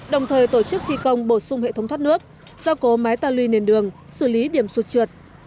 đồng thời tổ chức thi công bổ sung hệ thống thoát nước giao cố máy tà lưu nền đường xử lý điểm sụt trượt